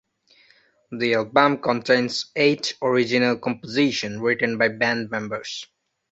The album contains eight original compositions written by band members.